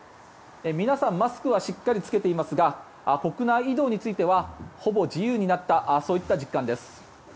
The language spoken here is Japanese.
皆さんマスクはしっかり着けていますが国内移動についてはほぼ自由になったそういう実感です。